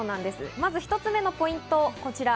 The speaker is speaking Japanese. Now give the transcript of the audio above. まず１つ目のポイントはこちら。